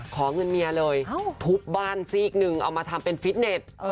ขอเงินเมียเลยทุบบ้านซีกหนึ่งเอามาทำเป็นฟิตเน็ต